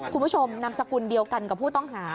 คุณผู้ชมนามสกุลเดียวกันกับผู้ต้องหา